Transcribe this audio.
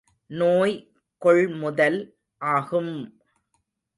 நோய் கொள்முதல் ஆகும்!